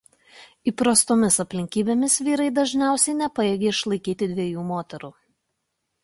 Įprastomis aplinkybėmis vyrai dažniausiai nepajėgia išlaikyti dviejų moterų.